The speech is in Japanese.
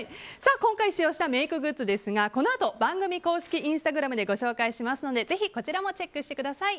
今回使用したメイクグッズですがこのあと番組公式インスタグラムでご紹介しますのでぜひ、こちらもチェックしてください。